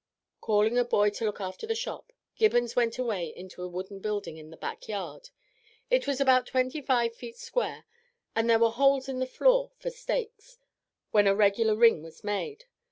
Calling a boy to look after the shop, Gibbons went away into a wooden building in the back yard; it was about twenty five feet square, and there were holes in the floor for the stakes, when a regular ring was made.